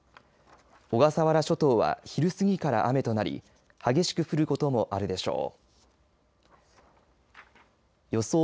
小笠原諸島は昼過ぎから雨となり激しく降ることもあるでしょう。